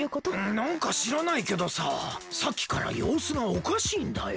なんかしらないけどささっきからようすがおかしいんだよ。